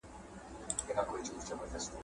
نېکمرغي ستا په خپل کور او هیواد کي پیدا کیدای سي.